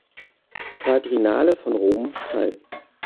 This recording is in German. Quadriennale von Rom" teil.